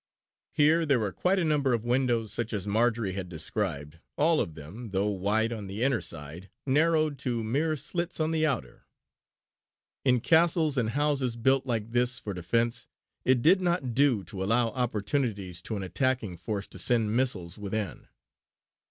Here there were quite a number of windows such as Marjory had described, all of them, though wide on the inner side, narrowed to mere slits on the outer. In castles and houses built, like this, for defence, it did not do to allow opportunities to an attacking force to send missiles within.